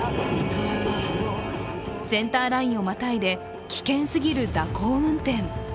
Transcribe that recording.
センターラインをまたいで危険すぎる蛇行運転。